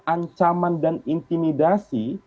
ancaman dan intimidasi